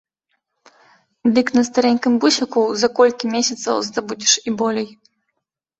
Дык на старэнькім бусіку за колькі месяцаў здабудзеш і болей.